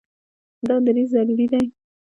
دا دریځ ضروري دی.